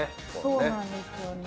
そうなんですよね。